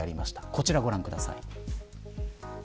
こちら、ご覧ください。